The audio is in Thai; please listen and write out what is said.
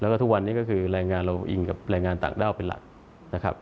แล้วก็ทุกวันนี้ก็คือแรงงานเราอิงกับแรงงานต่างด้าวเป็นหลักนะครับ